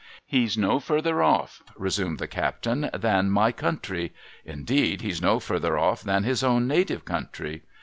' He's no further off,' resumed the captain, ' than my country. Indeed, he's no further off than his own native country.